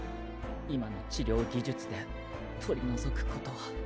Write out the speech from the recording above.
今の治療技術で取り除くことは。